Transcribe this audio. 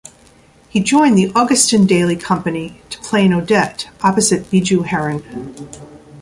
He joined the Augustin Daly company to play in "Odette" opposite Bijou Heron.